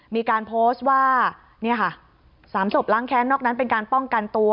มีการโพสต์ว่าเนี่ยค่ะ๓ศพล้างแค้นนอกนั้นเป็นการป้องกันตัว